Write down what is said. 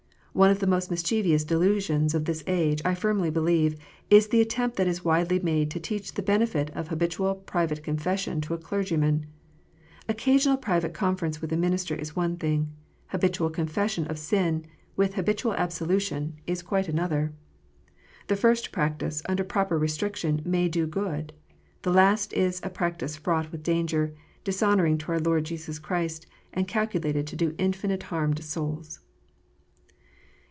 One of the most mischievous delusions of this age, I firmly believe, is the attempt that is widely made to teach the benefit of habitual private confession to a clergyman. Occasional private conference with a minister is one thing; habitual confession of sin, with habitual absolution, is quite another. The first practice, under proper restriction, " may do good ; the last is a practice fraught with danger, dishonouring to our Lord Jesus Christ, and calculated to do infinite harm to souls.